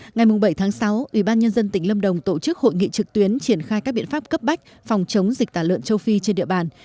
ngày bảy sáu ubnd tỉnh lâm đồng tổ chức hội nghị trực tuyến triển khai các biện pháp cấp bách phòng chống dịch tả lợn châu phi trên địa bàn